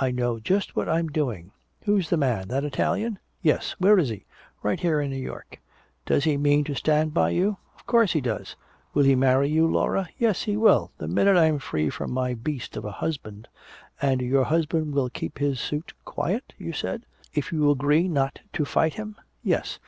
I know just what I'm doing!" "Who's the man? That Italian?" "Yes." "Where is he?" "Right here in New York." "Does he mean to stand by you?" "Of course he does." "Will he marry you, Laura?" "Yes, he will the minute I'm free from my beast of a husband!" "And your husband will keep his suit quiet, you said, if you agree not to fight him." "Yes."